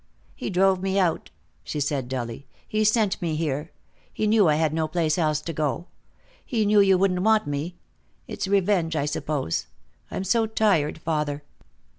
"He drove me out," she said dully. "He sent me here. He knew I had no place else to go. He knew you wouldn't want me. It's revenge, I suppose. I'm so tired, father."